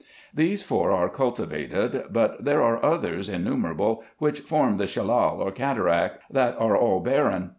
These four are cultivated ; but there are others innume rable, which form the shellal or cataract, that are all barren.